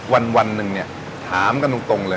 วันหนึ่งเนี่ยถามกันตรงเลย